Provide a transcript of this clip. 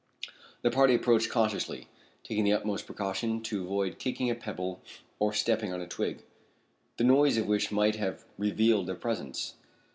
The party approached cautiously, taking the utmost precaution to avoid kicking a pebble or stepping on a twig, the noise of which might have revealed their presence.